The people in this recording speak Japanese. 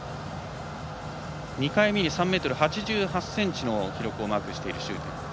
２回目に３ｍ８８ｃｍの記録をマークしているシューテン。